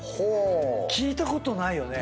聞いたことないよね。